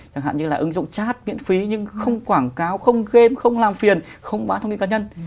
chẳng hạn như là ứng dụng chat miễn phí nhưng không quảng cáo không game không làm phiền không báo thông tin cá nhân